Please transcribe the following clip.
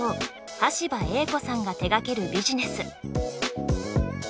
ＣＥＯ端羽英子さんが手がけるビジネス。